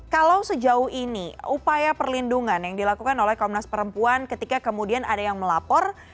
kalau sejauh ini upaya perlindungan yang dilakukan oleh komnas perempuan ketika kemudian ada yang melapor